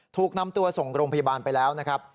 ถูกนำตัวส่งโรงพยาบาลไปแล้วนะครับ